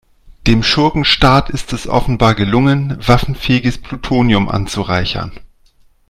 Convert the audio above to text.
Dem Schurkenstaat ist es offenbar gelungen, waffenfähiges Plutonium anzureichern.